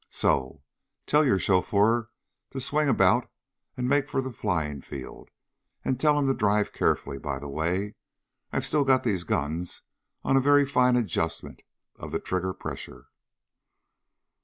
So ... tell your chauffeur to swing about and make for the flying field. And tell him to drive carefully, by the way. I've still got these guns on a very fine adjustment of the trigger pressure."